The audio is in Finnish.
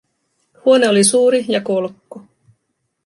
Huone oli suuri ja kolkko.